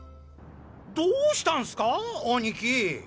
どしたんスか？兄貴。